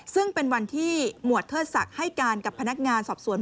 ซึ่งเป็นวันที่หมวดเทิดศักดิ์ให้การกับพนักงานสอบสวน